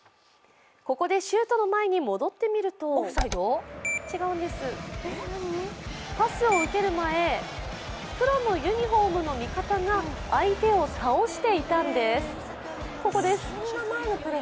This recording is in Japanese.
ここでシュートの前に戻ってみるとパスを受ける前、黒のユニフォームの味方が相手を対応していたんです。